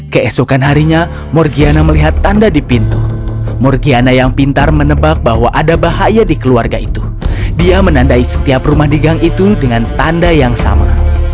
keesokan harinya morgiana melihat tanda di pintu morgiana yang pintar menebak bahwa ada bahaya di keluarga itu dia menandai setiap rumah di gang itu dengan tanda yang sama